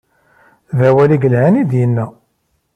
D awal i yelhan i d-yenna.